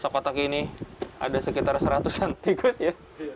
sokotak ini ada sekitar seratusan tikus ya